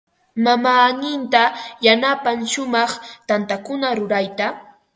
Mamaaninta yanapan shumaq tantakuna rurayta.